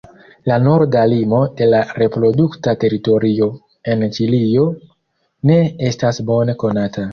La norda limo de la reprodukta teritorio en Ĉilio ne estas bone konata.